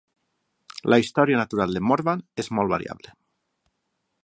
La història natural de Morvan és molt variable.